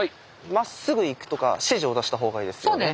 「まっすぐ行く」とか指示を出した方がいいですよね。